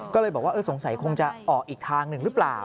ก็เลยบอกว่าสงสัยคงจะออกอีกทางหนึ่งหรือเปล่า